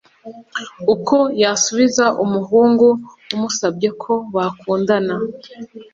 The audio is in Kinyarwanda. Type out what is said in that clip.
uko yasubiza umuhungu umusabye ko bakundana